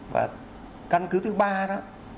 và căn cứ thứ ba đó